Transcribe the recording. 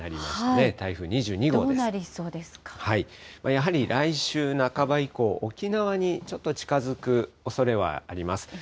やはり来週半ば以降、沖縄にちょっと近づくおそれはあります。